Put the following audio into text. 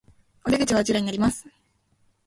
お出口はあちらになります